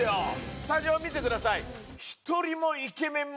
スタジオ見てください。